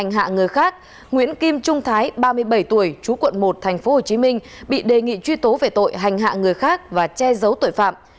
nhân trung thái ba mươi bảy tuổi trú quận một tp hcm bị đề nghị truy tố về tội hành hạ người khác và che giấu tội phạm